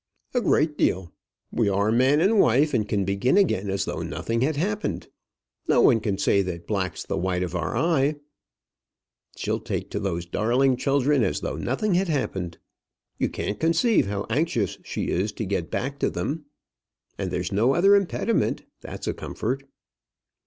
"A great deal. We are man and wife, and can begin again as though nothing had happened. No one can say that black's the white of our eye. She'll take to those darling children as though nothing had happened. You can't conceive how anxious she is to get back to them. And there's no other impediment. That's a comfort."